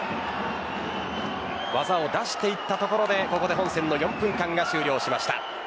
技を出していったところでここで本戦の４分間が終了しました。